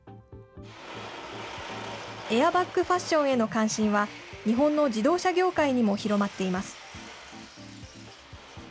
エアバッグファッションへの関心は、日本の自動車業界にも広まっています。